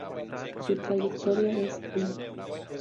Su trayectoria es Emp.